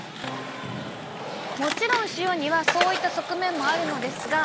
もちろん塩にはそういった側面もあるのですが。